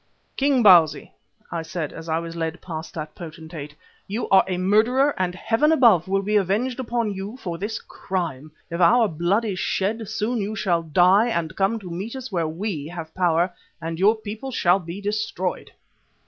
"King Bausi," I said as I was led past that potentate, "you are a murderer and Heaven Above will be avenged upon you for this crime. If our blood is shed, soon you shall die and come to meet us where we have power, and your people shall be destroyed."